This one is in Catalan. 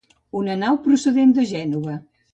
Una nau procedent de Gènova.